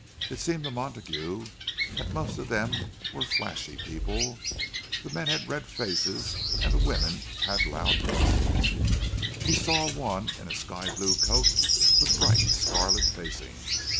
It seemed to Montague that most of them were flashy people—the men had red faces and the women had loud voices; he saw one in a sky blue coat with bright scarlet facing.